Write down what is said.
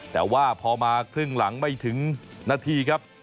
แต่ว่าพอมาครึ่งหลังไม่ถึงนาทีครับ